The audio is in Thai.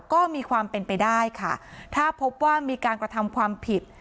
ก็มีความเป็นไปได้ค่ะถ้าพบว่ามีการกระทำความผิด